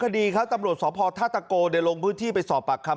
มีครั้งตำรวจสอบพอร์ทาตะโกเดี๋ยวลงพื้นที่ไปสอบปากคำ